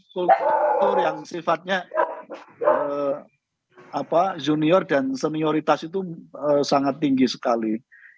kultur yang sifatnya junior dan senioritas itu sangat tinggi sekali